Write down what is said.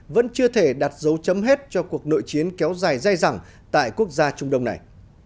vẫn chưa thể đặt dấu chấm hết cho cuộc nội chiến kéo dài dai dẳng tại quốc gia trung đông này